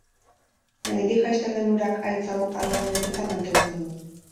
Menditik jaisten den urak haitz hau algaz beteta mantentzen du.